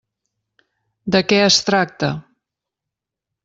De què es tracta?